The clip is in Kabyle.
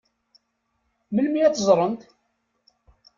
Melmi ad tt-ẓṛent?